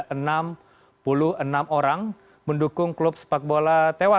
ketika ribuan orang menangis di kota